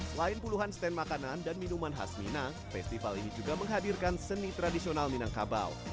selain puluhan stand makanan dan minuman khas minang festival ini juga menghadirkan seni tradisional minangkabau